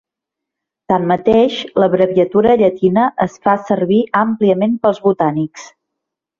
Tanmateix, l'abreviatura llatina es fa servir àmpliament pels botànics.